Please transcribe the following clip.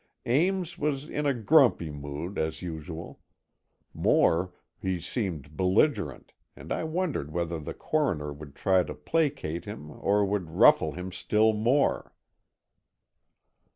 Ames was in grumpy mood, as usual. More, he seemed belligerent, and I wondered whether the Coroner would try to placate him or would ruffle him still more.